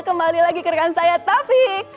kembali lagi kira kira saya taufik